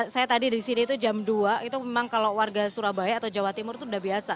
saya tadi di sini itu jam dua itu memang kalau warga surabaya atau jawa timur itu udah biasa